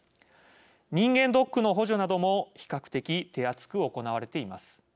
人間ドックの補助なども比較的手厚く行われています。